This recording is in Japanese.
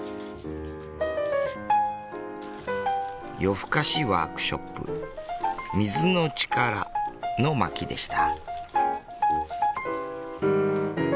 夜ふかしワークショップ「水のちから」の巻でした。